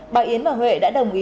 bà yến và huệ đã đồng ý góp đồng